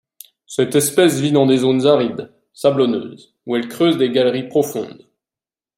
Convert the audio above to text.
Cette espèce vit dans des zones arides, sablonneuses, ou elle creuse des galeries profondes.